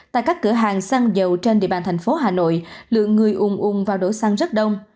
tại các cửa hàng xăng dầu trên địa bàn thành phố hà nội lượng người uống vào đổ xăng rất đông